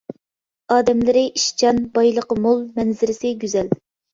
ئادەملىرى ئىشچان، بايلىقى مول، مەنزىرىسى گۈزەل.